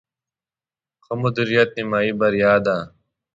ښه مدیریت، نیمایي بریا ده